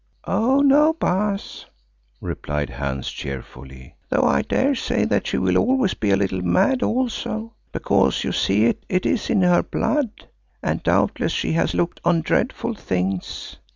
"Oh, no! Baas," replied Hans cheerfully, "though I daresay that she will always be a little mad also, because you see it is in her blood and doubtless she has looked on dreadful things.